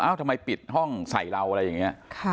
ทำไมปิดห้องใส่เราอะไรอย่างนี้